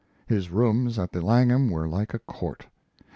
His rooms at the Langham were like a court.